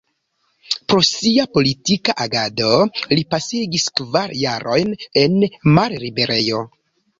Pro sia politika agado, li pasigis kvar jarojn en malliberejo.